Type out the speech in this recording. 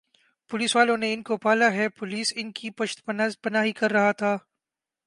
police والوں نے ان کو پالا ھے پولیس ان کی پشت پناہی کررہا تھا